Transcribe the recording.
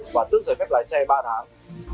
và tước giới phép lái xe ba tháng